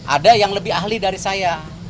ada yang lebih ahli dari saya